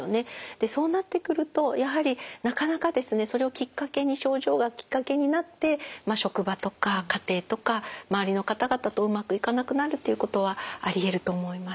そうなってくるとやはりなかなかですねそれをきっかけに症状がきっかけになって職場とか家庭とか周りの方々とうまくいかなくなるっていうことはありえると思います。